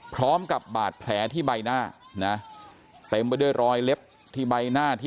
พร้อมกับบาดแผลที่ใบหน้านะเต็มไปด้วยรอยเล็บที่ใบหน้าที่